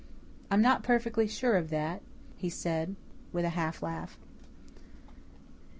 "I'm not perfectly sure of that," he said, with a half sigh. II.